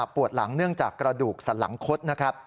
ปวดหลังเนื่องจากกระดูกสันหลังคดนะครับ